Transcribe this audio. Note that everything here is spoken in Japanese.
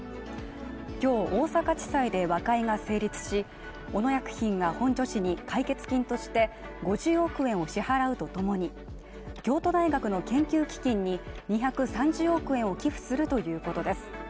今日、大阪地裁で和解が成立し、小野薬品が本庶氏に解決金として５０億円を支払うとともに、京都大学の研究基金に２３０億円を寄付するということです。